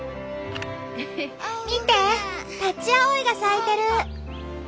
見てタチアオイが咲いてる。